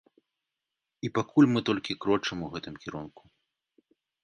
І пакуль мы толькі крочым у гэтым кірунку.